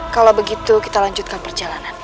kalau begitu kita lanjutkan perjalanan